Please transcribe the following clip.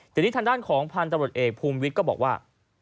ทีนี้ทางด้านของพันธุ์ตำรวจเอกภูมิวิทย์ก็บอกว่า